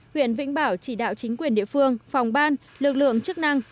huyện vĩnh bảo chỉ đạo chính quyền địa phương phòng ban lực lượng chức năng